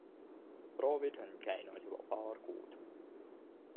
Proovid on käinud juba paar kuud.